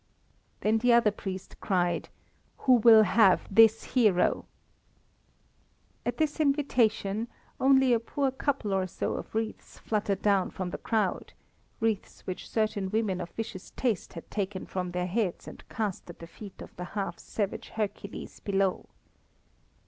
Then the other priest cried: "Who will have this hero?" At this invitation only a poor couple or so of wreaths fluttered down from the crowd, wreaths which certain women of vicious taste had taken from their heads and cast at the feet of the half savage Hercules below.